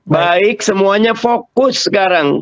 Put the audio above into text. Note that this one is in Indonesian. baik semuanya fokus sekarang